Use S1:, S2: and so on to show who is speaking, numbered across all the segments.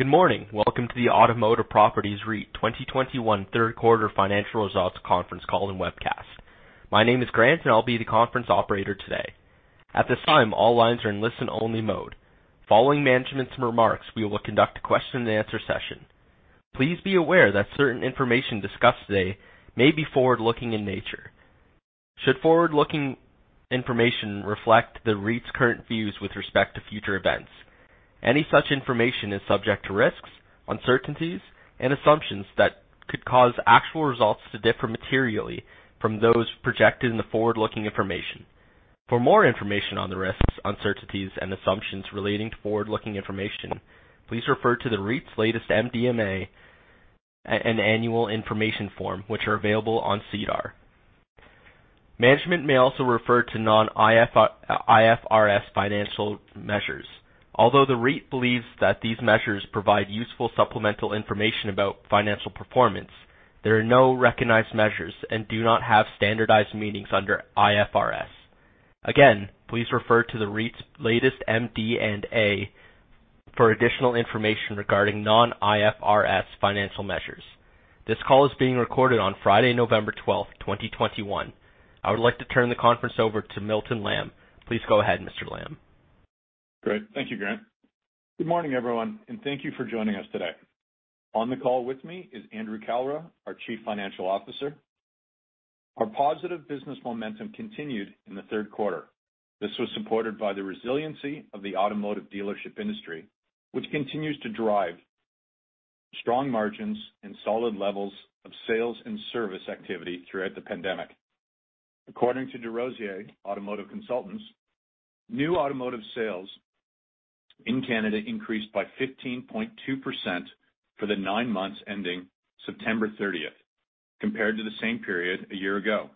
S1: Good morning. Welcome to the Automotive Properties REIT 2021 third quarter financial results conference call and webcast. My name is Grant, and I'll be the conference operator today. At this time, all lines are in listen-only mode. Following management's remarks, we will conduct a question-and-answer session. Please be aware that certain information discussed today may be forward-looking in nature. Should forward-looking information reflect the REIT's current views with respect to future events, any such information is subject to risks, uncertainties and assumptions that could cause actual results to differ materially from those projected in the forward-looking information. For more information on the risks, uncertainties and assumptions relating to forward-looking information, please refer to the REIT's latest MD&A and Annual Information Form, which are available on SEDAR. Management may also refer to non-IFRS financial measures. Although the REIT believes that these measures provide useful supplemental information about financial performance, these measures are not recognized and do not have standardized meanings under IFRS. Again, please refer to the REIT's latest MD&A for additional information regarding non-IFRS financial measures. This call is being recorded on Friday, November 12, 2021. I would like to turn the conference over to Milton Lamb. Please go ahead, Mr. Lamb.
S2: Great. Thank you, Grant. Good morning, everyone, and thank you for joining us today. On the call with me is Andrew Kalra, our Chief Financial Officer. Our positive business momentum continued in the third quarter. This was supported by the resiliency of the automotive dealership industry, which continues to drive strong margins and solid levels of sales and service activity throughout the pandemic. According to DesRosiers Automotive Consultants, new automotive sales in Canada increased by 15.2% for the nine months ending September thirtieth compared to the same period a year ago.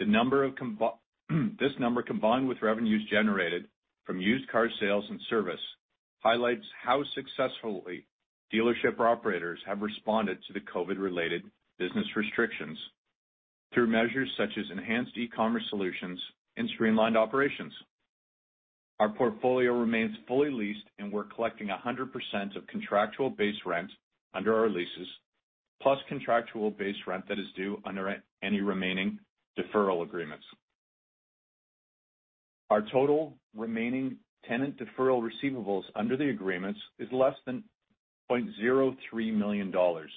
S2: This number, combined with revenues generated from used car sales and service, highlights how successfully dealership operators have responded to the COVID-related business restrictions through measures such as enhanced e-commerce solutions and streamlined operations. Our portfolio remains fully leased and we're collecting 100% of contractual base rent under our leases, including contractual base rent due under remaining deferral agreements. Our total remaining tenant deferral receivables under the agreements is less than 0.03 million dollars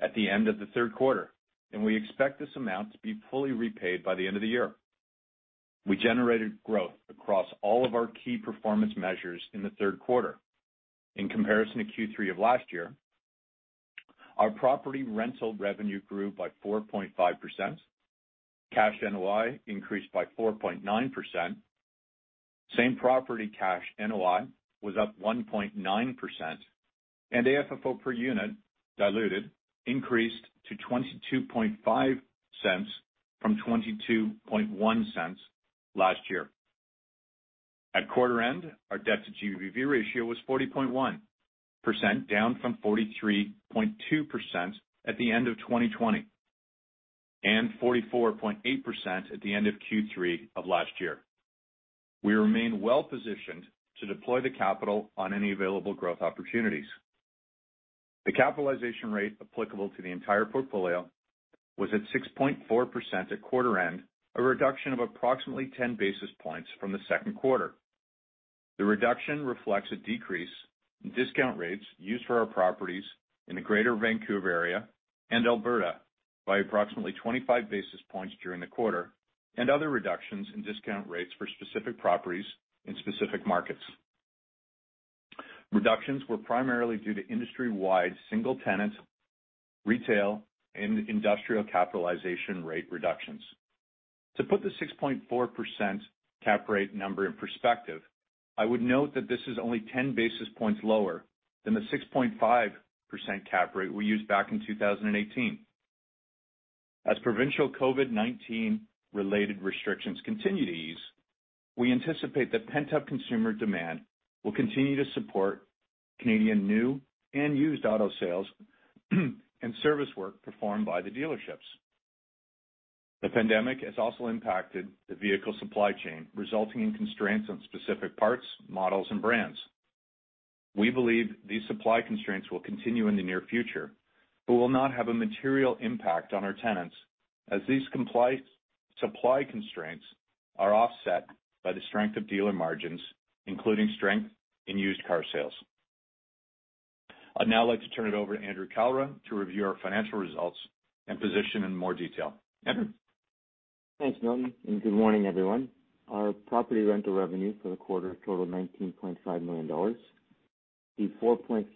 S2: at the end of the third quarter, and we expect this amount to be fully repaid by the end of the year. We generated growth across all of our key performance measures in the third quarter. In comparison to Q3 of last year, our property rental revenue grew by 4.5%. Cash NOI increased by 4.9%. Same-Property Cash NOI was up 1.9%, and AFFO per unit diluted increased to CAD 0.225 from 0.221 last year. At quarter end, our debt-to-GBV ratio was 40.1%, down from 43.2% at the end of 2020, and 44.8% at the end of Q3 of last year. We remain well positioned to deploy the capital on any available growth opportunities. The capitalization rate applicable to the entire portfolio was at 6.4% at quarter end, a reduction of approximately 10 basis points from the second quarter. The reduction reflects a decrease in discount rates used for our properties in the Greater Vancouver area and Alberta by approximately 25 basis points during the quarter and other reductions in discount rates for specific properties in specific markets. Reductions were primarily due to industry-wide single-tenant retail and industrial capitalization rate reductions. To put the 6.4% cap rate number in perspective, I would note that this is only 10 basis points lower than the 6.5% cap rate we used back in 2018. As provincial COVID-19 related restrictions continue to ease, we anticipate that pent-up consumer demand will continue to support Canadian new and used auto sales and service work performed by the dealerships. The pandemic has also impacted the vehicle supply chain, resulting in constraints on specific parts, models and brands. We believe these supply constraints will continue in the near future but will not have a material impact on our tenants as these supply constraints are offset by the strength of dealer margins, including strength in used car sales. I'd now like to turn it over to Andrew Kalra to review our financial results and position in more detail. Andrew?
S3: Thanks, Milton, and good morning, everyone. Our property rental revenue for the quarter totaled 19.5 million dollars. The 4.5%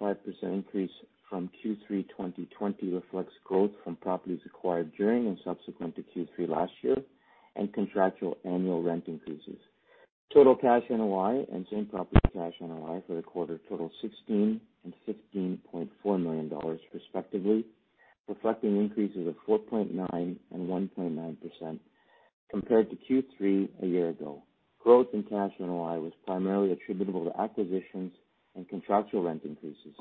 S3: increase from Q3 2020 reflects growth from properties acquired during and subsequent to Q3 last year and contractual annual rent increases. Total Cash NOI and same-property Cash NOI for the quarter totaled 16 million and 15.4 million dollars respectively, reflecting increases of 4.9% and 1.9% compared to Q3 a year ago. Growth in Cash NOI was primarily attributable to acquisitions and contractual rent increases.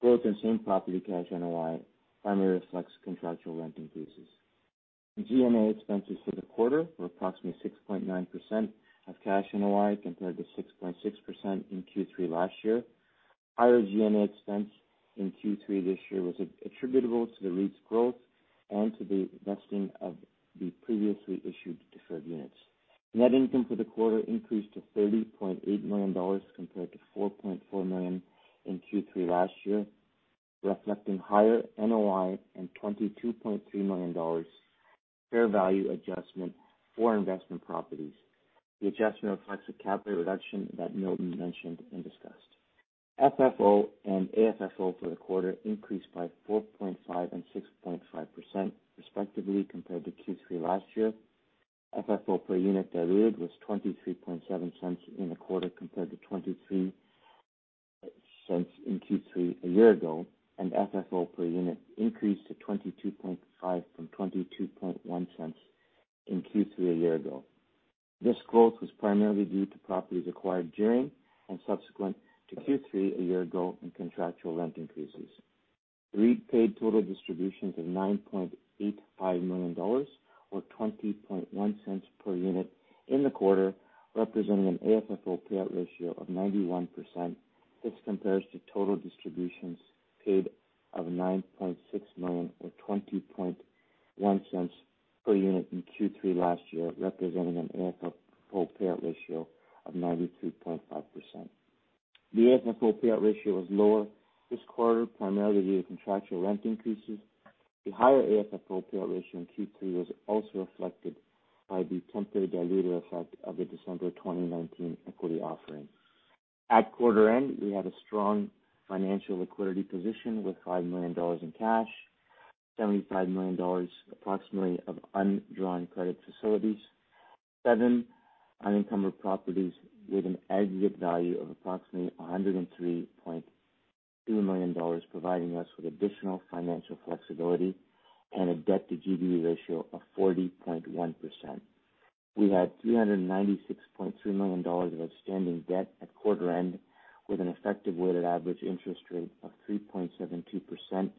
S3: Growth in same-property Cash NOI primarily reflects contractual rent increases. G&A expenses for the quarter were approximately 6.9% of Cash NOI compared to 6.6% in Q3 last year. Higher G&A expense in Q3 this year was attributable to the REIT's growth and to the vesting of the previously issued deferred units. Net income for the quarter increased to 30.8 million dollars compared to 4.4 million in Q3 last year, reflecting higher NOI and 22.3 million dollars fair value adjustment for investment properties. The adjustment reflects a capital reduction that Milton mentioned and discussed. FFO and AFFO for the quarter increased by 4.5% and 6.5% respectively compared to Q3 last year. FFO per unit diluted was 0.237 in the quarter compared to 0.23 in Q3 a year ago, and FFO per unit increased to 0.225 from 0.221 in Q3 a year ago. This growth was primarily due to properties acquired during and subsequent to Q3 a year ago, and contractual rent increases. REIT paid total distributions of 9.85 million dollars, or 0.201 per unit in the quarter, representing an AFFO payout ratio of 91%. This compares to total distributions paid of 9.6 million or 0.201 per unit in Q3 last year, representing an AFFO payout ratio of 92.5%. The AFFO payout ratio was lower this quarter, primarily due to contractual rent increases. The higher AFFO payout ratio in Q3 was also reflected by the temporary dilutive effect of the December 2019 equity offering. At quarter end, we had a strong financial liquidity position with 5 million dollars in cash, approximately 75 million dollars of undrawn credit facilities, 7 unencumbered properties with an aggregate value of approximately 103.2 million dollars, providing us with additional financial flexibility and a debt-to-GBV ratio of 40.1%. We had 396.2 million dollars of outstanding debt at quarter end, with an effective weighted average interest rate of 3.72%.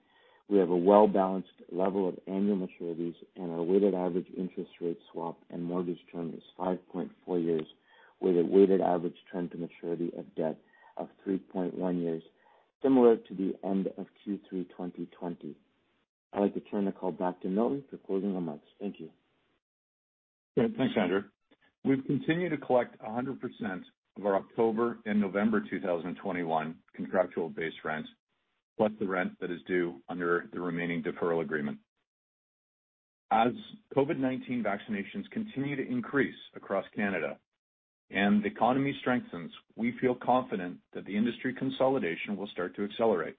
S3: We have a well-balanced level of annual maturities and our weighted average interest rate swap and mortgage term is 5.4 years with a weighted average term to maturity of debt of 3.1 years, similar to the end of Q3 2020. I'd like to turn the call back to Milton for closing remarks. Thank you.
S2: Great. Thanks, Andrew. We've continued to collect 100% of our October and November 2021 contractual based rents, plus the rent that is due under the remaining deferral agreement. As COVID-19 vaccinations continue to increase across Canada and the economy strengthens, we feel confident that the industry consolidation will start to accelerate.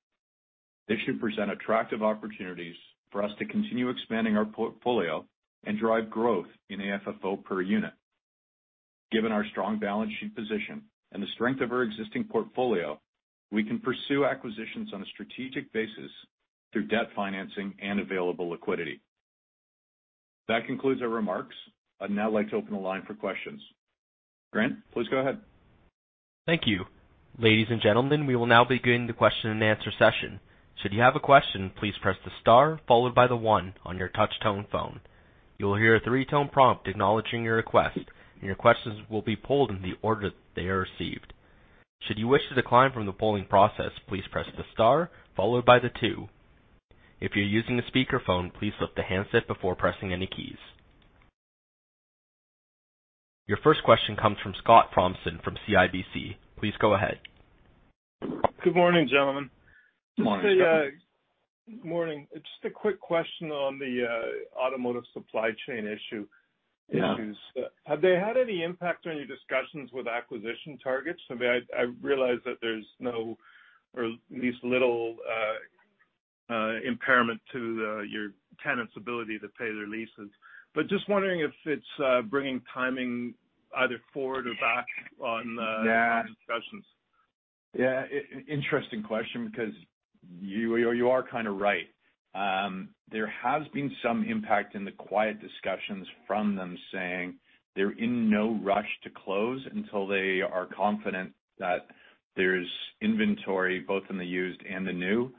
S2: This should present attractive opportunities for us to continue expanding our portfolio and drive growth in AFFO per unit. Given our strong balance sheet position and the strength of our existing portfolio, we can pursue acquisitions on a strategic basis through debt financing and available liquidity. That concludes our remarks. I'd now like to open the line for questions. Grant, please go ahead.
S4: Good morning, gentlemen.
S2: Morning, Scott.
S4: Morning. Just a quick question on the automotive supply chain issue.
S2: Yeah.
S4: -issues. Have they had any impact or any discussions with acquisition targets?, I realize that there's no or at least little impairment to your tenants' ability to pay their leases, but just wondering if it's bringing timing either forward or back on the-
S2: Yeah.
S4: on the discussions.
S2: Yeah, interesting question because you are kind of right. There has been some impact in the quiet discussions from them saying they're in no rush to close until they are confident that there's inventory both in the used and the new.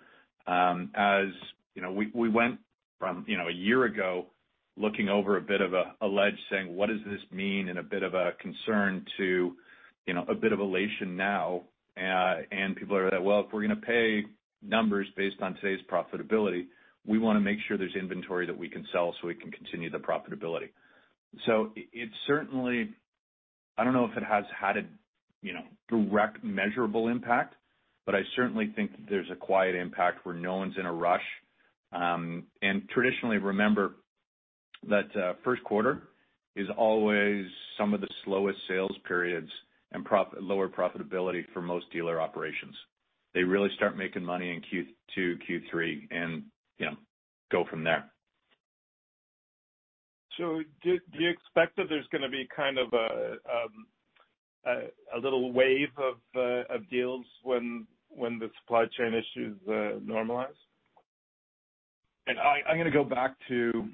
S2: As we went from a year ago looking over a bit of a ledge saying, "What does this mean?" with a bit of a concern to a bit of elation now. People are, "Well, if we're gonna pay numbers based on today's profitability, we wanna make sure there's inventory that we can sell so we can continue the profitability." It certainly, I don't know if it has had a, direct measurable impact, but I certainly think that there's a quiet impact where no one's in a rush. Traditionally, remember that first quarter is always some of the slowest sales periods and lower profitability for most dealer operations. They really start making money in Q2, Q3 and, go from there.
S4: Do you expect that there's will be kind of a little wave of deals when the supply chain issues normalize?
S2: I'm gonna go back to,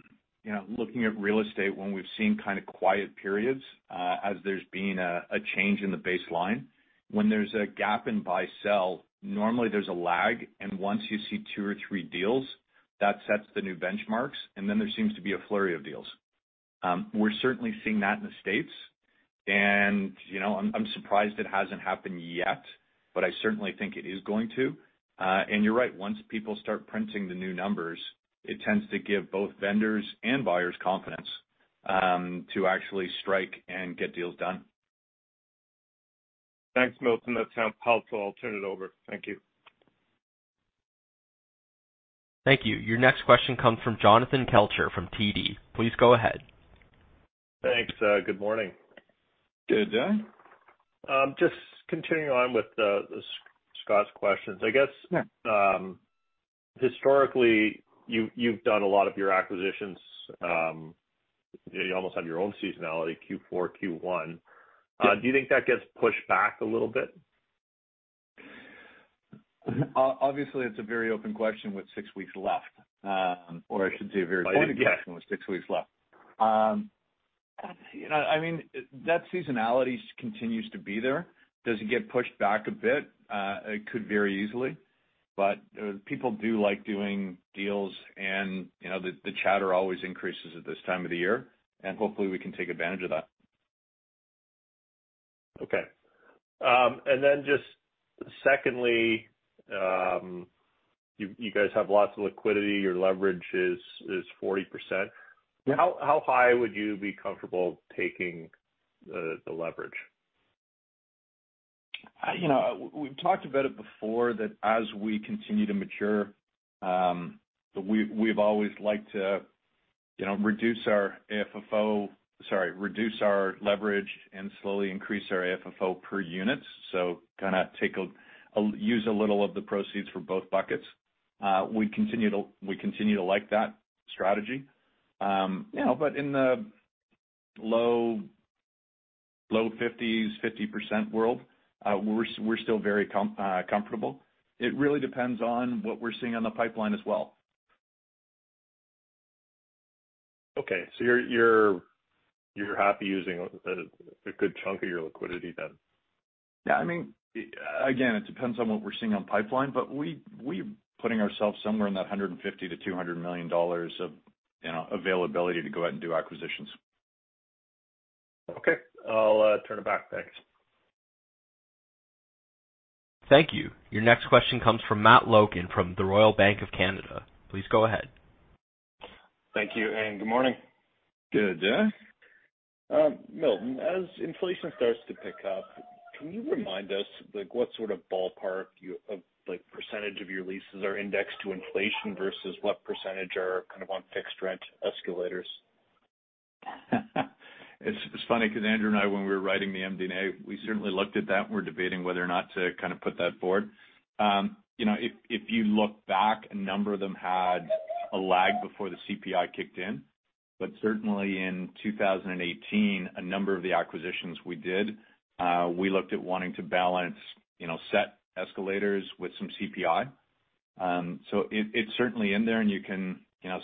S2: looking at real estate when we've seen kind of quiet periods as there's been a change in the baseline. When there's a gap in buy-sell, normally there's a lag, and once you see two or three deals, that sets the new benchmarks, and then there seems to be a flurry of deals. We're certainly seeing that in the States, and, I'm surprised it hasn't happened yet, but I certainly think it is going to. You're right. Once people start printing the new numbers, it tends to give both vendors and buyers confidence to actually strike and get deals done.
S4: Thanks, Milton. That's helpful. I'll turn it over. Thank you.
S5: Thanks. Good morning.
S2: Good day.
S5: Just continuing on with Scott's questions.
S2: Yeah.
S5: I guess historically, you've done a lot of your acquisitions. You almost have your own seasonality, Q4, Q1.
S2: Yeah.
S5: Do you think that gets pushed back a little bit?
S2: Obviously it's a very open question with six weeks left, or I should say a very open question.
S5: I understand.
S2: with six weeks left., that seasonality continues to be there. Does it get pushed back a bit? It could very easily, but people do like doing deals and, the chatter always increases at this time of the year, and hopefully we can take advantage of that.
S5: Okay. Just secondly, you guys have lots of liquidity. Your leverage is 40%.
S2: Yeah.
S5: How high would you be comfortable taking the leverage?
S2: we've talked about it before, that as we continue to mature, we've always liked to, reduce our leverage and slowly increase our AFFO per unit. Kind of use a little of the proceeds for both buckets. We continue to like that strategy. In the low-50% range, we're still very comfortable. It really depends on what we're seeing on the pipeline as well.
S5: Okay. You're happy using a good chunk of your liquidity then?,
S2: again, it depends on what we're seeing on pipeline, but we're putting ourselves somewhere in that 150 million-200 million dollars of, availability to go out and do acquisitions.
S5: Okay. I'll turn it back. Thanks.
S6: Thank you, and good morning.
S2: Good day.
S6: Milton, as inflation starts to pick up, can you remind us, like, what sort of ballpark of like percentage of your leases are indexed to inflation versus what percentage are kind of on fixed rent escalators?
S2: It's funny because Andrew and I, when we were writing the MD&A, we certainly looked at that and we're debating whether or not to kind of put that forward. If you look back, a number of them had a lag before the CPI kicked in. Certainly in 2018, a number of the acquisitions we did, we looked at wanting to balance, set escalators with some CPI. It's certainly in there and you can,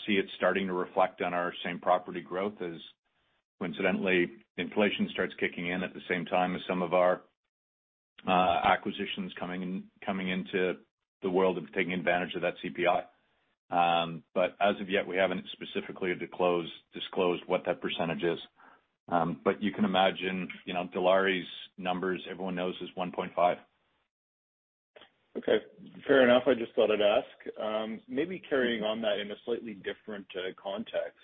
S2: see it starting to reflect on our same property growth as, coincidentally, inflation starts kicking in at the same time as some of our acquisitions coming in, coming into the world of taking advantage of that CPI. But as of yet, we haven't specifically disclosed what that percentage is. You can imagine, Dilawri numbers, everyone knows is 1.5.
S6: Okay, fair enough. I just thought I'd ask. Maybe carrying on that in a slightly different context.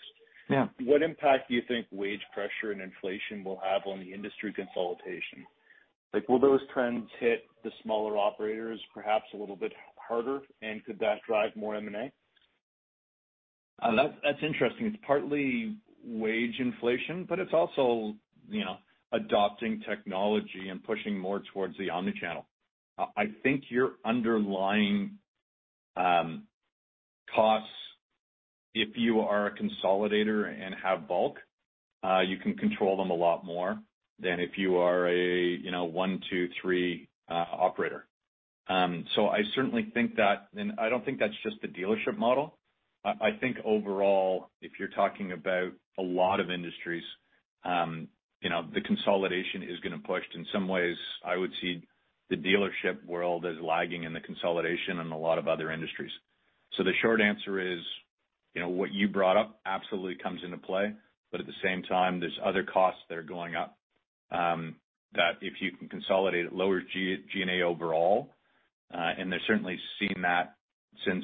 S2: Yeah.
S6: What impact do you think wage pressure and inflation will have on the industry consolidation? Like, will those trends hit the smaller operators perhaps a little bit harder, and could that drive more M&A?
S2: That's interesting. It's partly wage inflation, but it's also, adopting technology and pushing more towards the omni-channel. I think your underlying costs if you are a consolidator and have bulk, you can control them a lot more than if you are a, one, two, three operator. I certainly think that, and I don't think that's just the dealership model. I think overall, if you're talking about a lot of industries, the consolidation is gonna push it. In some ways, I would see the dealership world as lagging in the consolidation in a lot of other industries. The short answer is, what you brought up absolutely comes into play, but at the same time, there's other costs that are going up, that if you can consolidate it lowers G&A overall. They're certainly seeing that since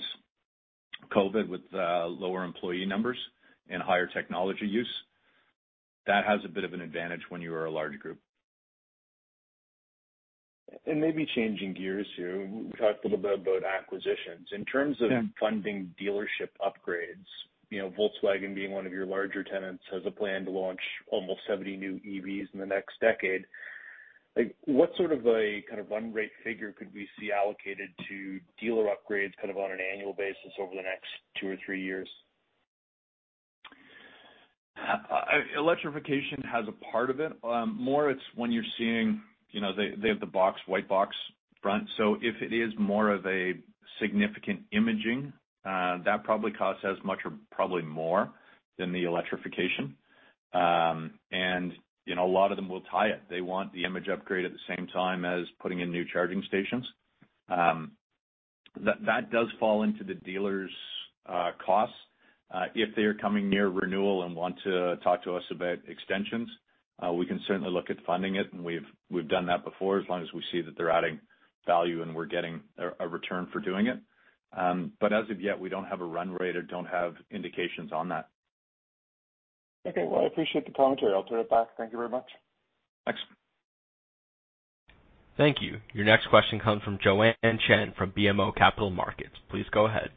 S2: COVID with lower employee numbers and higher technology use. That has a bit of an advantage when you are a large group.
S6: Maybe changing gears here. We talked a little bit about acquisitions.
S2: Yeah.
S6: In terms of funding dealership upgrades, Volkswagen being one of your larger tenants, has a plan to launch almost 70 new EVs in the next decade. Like, what sort of a kind of run rate figure could we see allocated to dealer upgrades kind of on an annual basis over the next 2 or 3 years?
S2: Electrification has a part of it. More, it's when you're seeing, they have the box, white box front. So if it is more of a significant imaging, that probably costs as much or probably more than the electrification. A lot of them will tie it. They want the image upgrade at the same time as putting in new charging stations. That does fall into the dealers' costs. If they are coming near renewal and want to talk to us about extensions, we can certainly look at funding it, and we've done that before, as long as we see that they're adding value and we're getting a return for doing it. As of yet, we don't have a run rate or don't have indications on that.
S6: Okay. Well, I appreciate the commentary. I'll turn it back. Thank you very much.
S2: Thanks.
S1: Thank you. Your next question comes from Jenny Ma from BMO Capital Markets. Please go ahead.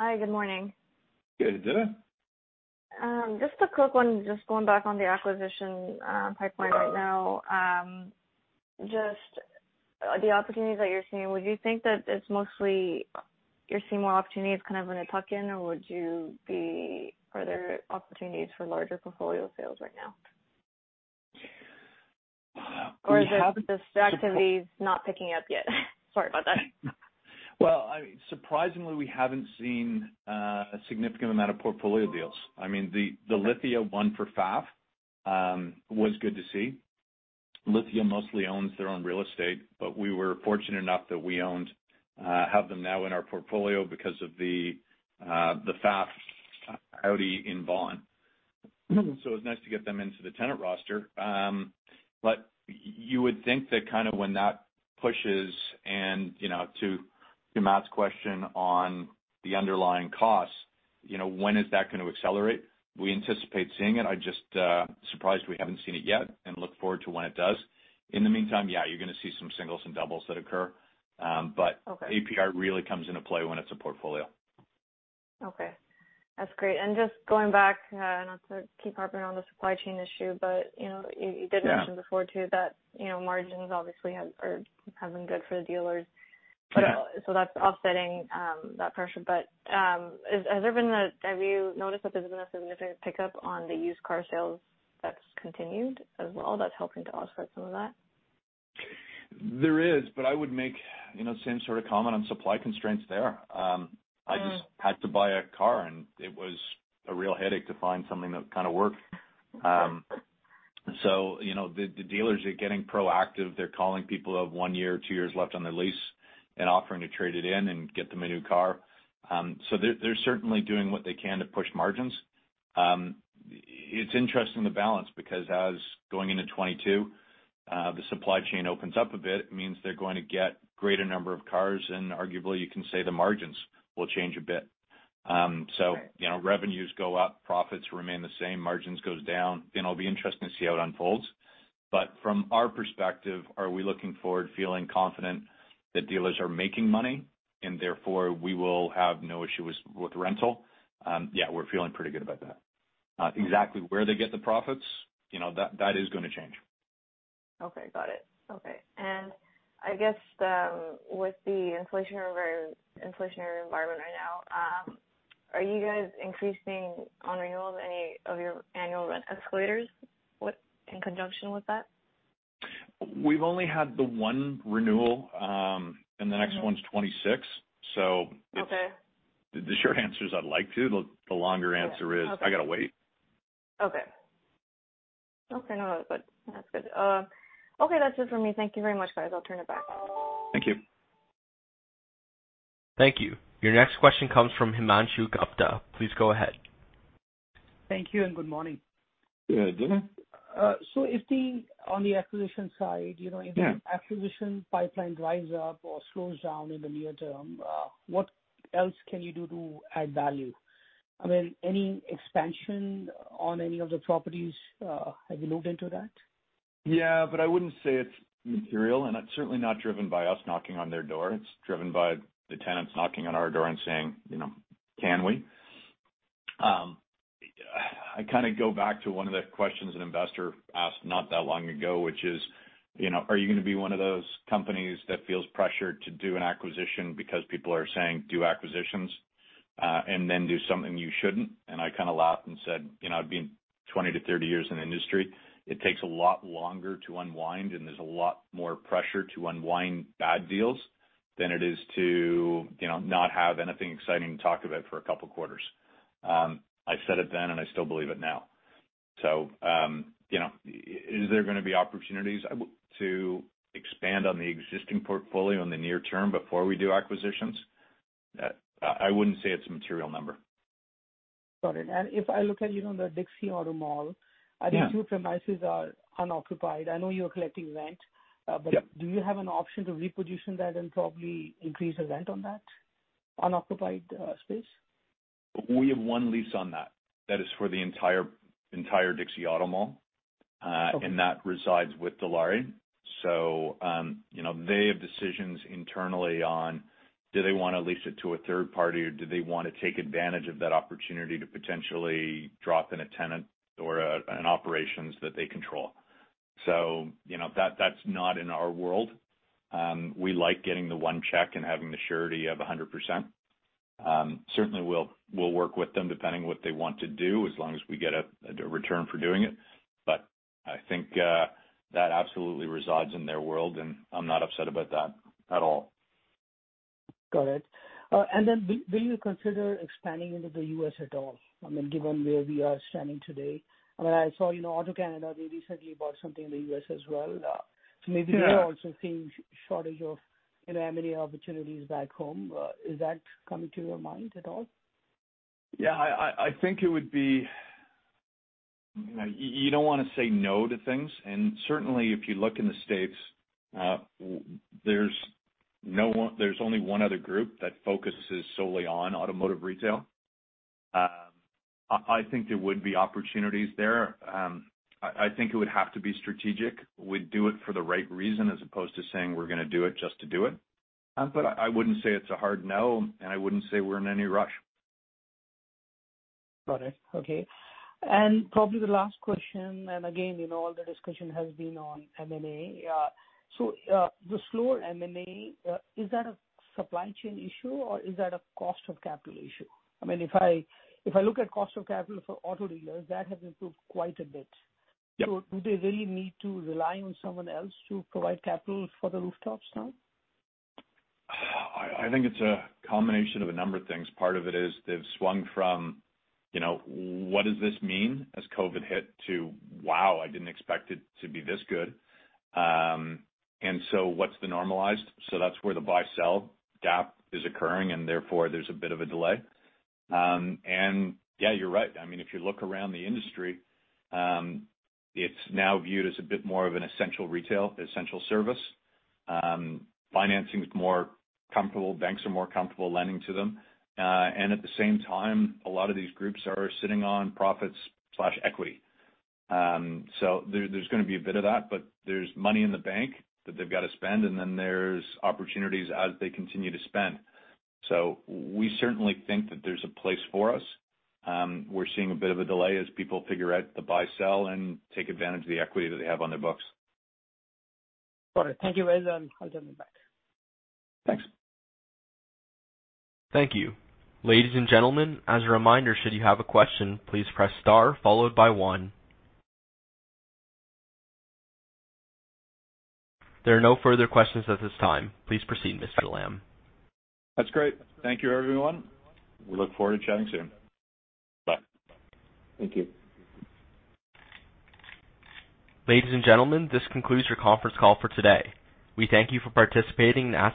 S7: Hi, good morning.
S2: Good day.
S7: Just a quick one, just going back on the acquisition pipeline right now. Just the opportunities that you're seeing, would you think that it's mostly you're seeing more opportunities kind of in a tuck in, or are there opportunities for larger portfolio sales right now?
S2: We have-
S7: Is it just the activity is not picking up yet? Sorry about that.
S2: Well,, surprisingly, we haven't seen a significant amount of portfolio deals., the Lithia one for Pfaff was good to see. Lithia mostly owns their own real estate, but we were fortunate enough that we have them now in our portfolio because of the Pfaff Audi in Vaughan. It was nice to get them into the tenant roster. You would think that kind of when that pushes and, to Matt's question on the underlying costs, when is that gonna accelerate? We anticipate seeing it. I'm just surprised we haven't seen it yet and look forward to when it does. In the meantime, yeah, you're gonna see some singles and doubles that occur.
S7: Okay.
S2: APR really comes into play when it's a portfolio.
S7: Okay. That's great. Just going back, not to keep harping on the supply chain issue, but, you did-
S2: Yeah.
S7: Mention before too that, margins obviously have been good for the dealers.
S2: Yeah.
S7: That's offsetting that pressure. Have you noticed that there's been a significant pickup on the used car sales that's continued as well that's helping to offset some of that?
S2: There is, but I would make, the same sort of comment on supply constraints there.
S7: Mm.
S2: I just had to buy a car, and it was a real headache to find something that met requirements. The dealers are getting proactive. They're calling people who have one year or two years left on their lease and offering to trade it in and get them a new car. They're certainly doing what they can to push margins. It's interesting, the balance, because as going into 2022, the supply chain opens up a bit, it means they're going to get greater number of cars, and arguably you can say the margins will change a bit.
S7: Right.
S2: revenues go up, profits remain the same, margins goes down. It'll be interesting to see how it unfolds. From our perspective, are we looking forward feeling confident that dealers are making money and therefore we will have no issue with rental? Yeah, we're feeling pretty good about that. Exactly where they get the profits, that is gonna change.
S7: Okay, got it. Okay. I guess, with the inflationary environment right now, are you guys increasing on renewals any of your annual rent escalators with in conjunction with that?
S2: We've only had the one renewal, and the next one's 2026.
S7: Okay.
S2: The short answer is I'd like to. The longer answer is
S7: Yeah. Okay.
S2: we will need to wait.
S7: Okay, no, that's good. Okay, that's it for me. Thank you very much, guys. I'll turn it back.
S2: Thank you.
S8: Thank you and good morning.
S2: Good day.
S8: If the, on the acquisition side, you know
S2: Yeah.
S8: If the acquisition pipeline dries up or slows down in the near term, what else can you do to add value?, any expansion on any of the properties, have you looked into that?
S2: Yeah, I wouldn't say it's material, and it's certainly not driven by us knocking on their door. It's driven by the tenants knocking on our door and saying, "Can we?" I kinda go back to one of the questions an investor asked not that long ago, which is, are you will be one of those companies that feels pressured to do an acquisition because people are saying, "Do acquisitions," and then do something you shouldn't? I kinda laughed and said, " I've been 20-30 years in the industry. It takes a lot longer to unwind, and there's a lot more pressure to unwind bad deals than it is to, not have anything exciting to talk about for a couple quarters." I said it then, and I still believe it now. is there will be opportunities to expand on the existing portfolio in the near term before we do acquisitions? I wouldn't say it's a material number.
S8: Got it. If I look at, the Dixie Auto Mall-
S2: Yeah.
S8: I think two premises are unoccupied. I know you're collecting rent, but
S2: Yeah.
S8: Do you have an option to reposition that and probably increase the rent on that unoccupied space?
S2: We have one lease on that. That is for the entire Dixie Auto Mall.
S8: Okay.
S2: that resides with Dilawri. They have decisions internally on do they wanna lease it to a third party, or do they wanna take advantage of that opportunity to potentially drop in a tenant or an operation that they control. That's not in our world. We like getting the one check and having the surety of 100%. Certainly, we'll work with them depending what they want to do as long as we get a return for doing it. I think that absolutely resides in their world, and I'm not upset about that at all.
S8: Got it. Will you consider expanding into the U.S. at all? given where we are standing today.I saw, Auto Canada, they recently bought something in the U.S. as well. Maybe-
S2: Yeah.
S8: They're also seeing shortage of, M&A opportunities back home. Is that coming to your mind at all?
S2: Yeah, I think it would be. You don't wanna say no to things. Certainly if you look in the U.S., there's only one other group that focuses solely on automotive retail. I think there would be opportunities there. I think it would have to be strategic. We'd do it for the right reason as opposed to saying we're gonna do it just to do it. I wouldn't say it's a hard no, and I wouldn't say we're in any rush.
S8: Got it. Okay. Probably the last question, and again, the discussion has been on M&A. So, the slower M&A is that a supply chain issue or is that a cost of capital issue?, if I look at cost of capital for auto dealers, that has improved quite a bit.
S2: Yep.
S8: Do they really need to rely on someone else to provide capital for the rooftops now?
S2: I think it's a combination of a number of things. Part of it is they've swung from, what does this mean as COVID hit to, wow, I didn't expect it to be this good. What's the normalized? That's where the buy-sell gap is occurring, and therefore there's a bit of a delay. Yeah, you're right., if you look around the industry, it's now viewed as a bit more of an essential retail, essential service. Financing's more comfortable. Banks are more comfortable lending to them. At the same time, a lot of these groups are sitting on profits/equity. There's will be a bit of that, but there's money in the bank that they've got to spend, and then there's opportunities as they continue to spend. We certainly think that there's a place for us. We're seeing a bit of a delay as people figure out the buy-sell and take advantage of the equity that they have on their books.
S8: Got it. Thank you, Milton, and I'll turn it back.
S2: Thanks. That's great. Thank you, everyone. We look forward to chatting soon. Bye.
S8: Thank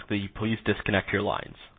S8: you.